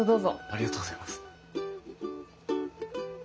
ありがとうございます。